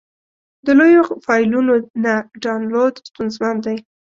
د لویو فایلونو نه ډاونلوډ ستونزمن دی.